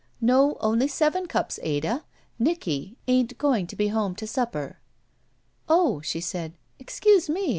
"No, only seven cups, Ada. Nicky — ain't gomg to be home to supper." "Oh," she said, "excuse me!